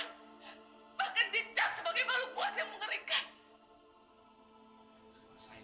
gradually tuhan dianggap adalah pm kalimantan ini